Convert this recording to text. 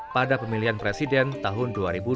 pada pemilihan presiden tahun dua ribu dua puluh empat